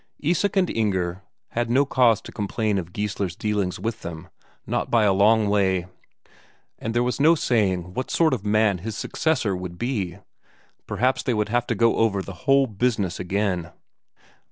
Isak and Inger had no cause to complain of Geissler's dealings with them, not by a long way. And there was no saying what sort of man his successor would be perhaps they would have to go over the whole business again!